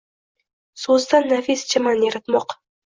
Soʼzdan nafis chaman yaratmoq.